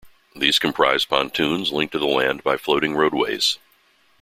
These comprised pontoons linked to the land by floating roadways.